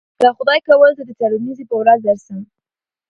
که خدای کول زه د څلورنیځې په ورځ درسم.